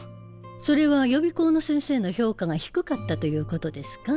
それは予備校の先生の評価が低かったということですか？